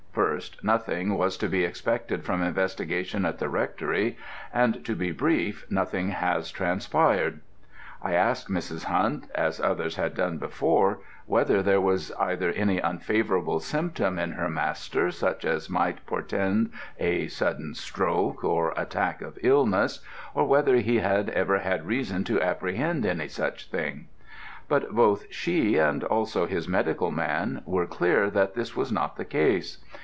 First, nothing was to be expected from investigation at the Rectory; and to be brief, nothing has transpired. I asked Mrs. Hunt as others had done before whether there was either any unfavourable symptom in her master such as might portend a sudden stroke, or attack of illness, or whether he had ever had reason to apprehend any such thing: but both she, and also his medical man, were clear that this was not the case.